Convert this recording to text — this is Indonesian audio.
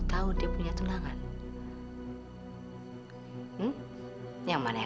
bibi tunggu bi